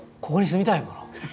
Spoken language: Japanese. ここに住みたいもの。